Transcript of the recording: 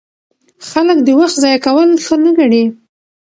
خلک د وخت ضایع کول ښه نه ګڼي.